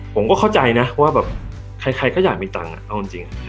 ผมก็เข้าใจว่าแบบใครก็อยากมีตังค์